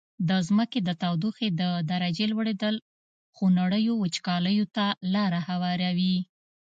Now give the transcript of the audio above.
د ځمکي د تودوخي د درجي لوړیدل خونړیو وچکالیو ته لاره هواروي.